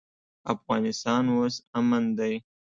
افغانستان اوس امن دی.